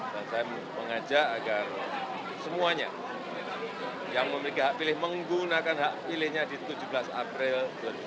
dan saya mengajak agar semuanya yang memiliki hak pilih menggunakan hak pilihnya di tujuh belas april dua ribu sembilan belas